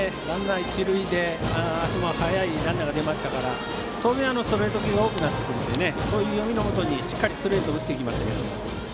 ランナー、一塁で足も速いランナーが出ましたから当然、ストレート系が多くなってくるのでそういう読みのもとにしっかりストレートを打っていきましたけど。